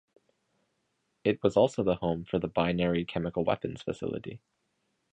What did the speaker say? It was also the home for the Binary Chemical Weapons Facility.